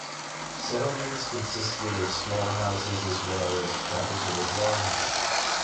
Settlements consisted of small houses as well as trapezoid longhouses.